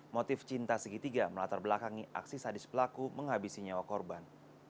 motif cinta segitiga melatar belakangi aksi sadis pelaku menghabisi nyawa korban